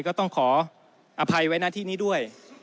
ก็ต้องขออภัยไว้หน้าที่นี้ด้วย